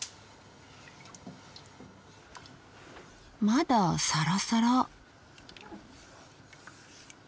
まだサラサラ。